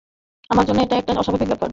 আমার জন্যে এটাও একটা অস্বাভাবিক ব্যাপার।